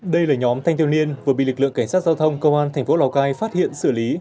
đây là nhóm thanh thiếu niên vừa bị lực lượng cảnh sát giao thông công an thành phố lào cai phát hiện xử lý